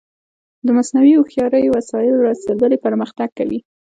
د مصنوعي هوښیارۍ وسایل ورځ تر بلې پرمختګ کوي.